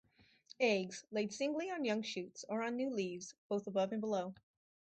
Eggs: Laid singly on young shoots, or on new leaves, both above and below.